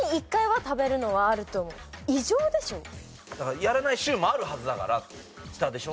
やらない週もあるはずだから下でしょ。